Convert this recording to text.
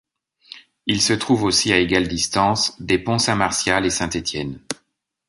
Il se trouve aussi à égale distance des pont Saint-Martial et Saint-Étienne.